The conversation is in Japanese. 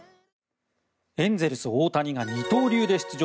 エンゼルス、大谷が二刀流で出場。